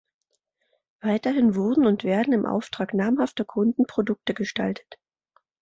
Weiterhin wurden und werden im Auftrag namhafter Kunden Produkte gestaltet.